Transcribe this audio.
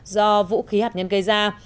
do vũ khí hạt nhân gây ra